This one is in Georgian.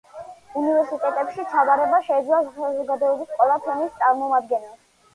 უნივერსიტეტებში ჩაბარება შეეძლო საზოგადოების ყველა ფენის წარმომადგენელს.